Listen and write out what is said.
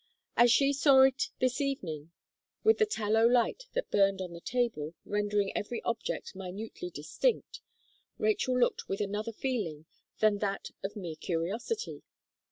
As she saw it this evening, with the tallow light that burned on the table, rendering every object minutely distinct, Rachel looked with another feeling than that of mere curiosity.